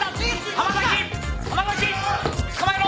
浜崎浜崎！捕まえろ！